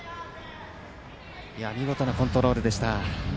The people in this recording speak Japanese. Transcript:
見事なコントロールでした。